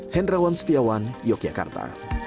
hendrawan setiawan yogyakarta